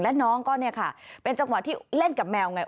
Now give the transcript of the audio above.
แล้วน้องก็เนี่ยค่ะเป็นจังหวะที่เล่นกับแมวไง